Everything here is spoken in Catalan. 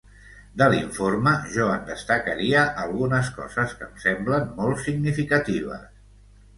De l’informe, jo en destacaria algunes coses que em semblen molt significatives.